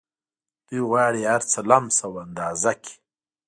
دوی غواړي هرڅه لمس او اندازه کړي